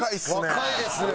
若いですね！